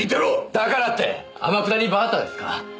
だからって天下りバーターですか？